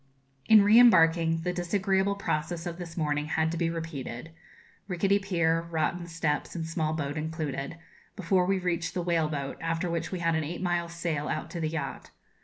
In re embarking, the disagreeable process of this morning had to be repeated rickety pier, rotten steps, and small boat included before we reached the whale boat, after which we had an eight miles' sail out to the yacht.